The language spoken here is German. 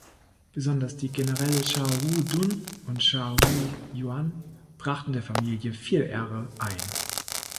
Besonders die Generäle Xiahou Dun und Xiahou Yuan brachten der Familie viel Ehre ein.